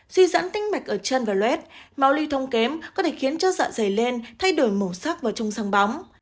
suy giãn tinh mạch ở chân và luet máu ly thông kém có thể khiến chất dạ dày lên thay đổi màu sắc vào trông sang bóng